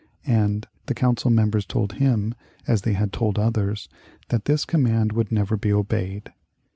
And the council members told him, as they had told others, that this command would never be obeyed.